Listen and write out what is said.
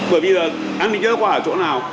bởi vì là an ninh giao khoa ở chỗ nào